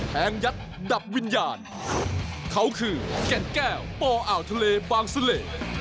แหงยัชย์ดับวิญญาณเข่าคือแก่นแก้วปออ่าวทะเลบางทะเล